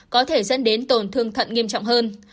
có thể dẫn đến tổn thương thận nghiêm trọng hơn